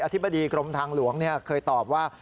ธิบดีกรมทางหลวงเคยตอบว่า